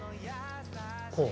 こう？